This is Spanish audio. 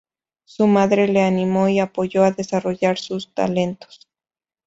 Su madre le animó y apoyó a desarrollar su talentos.